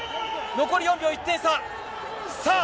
残り４秒、１点差。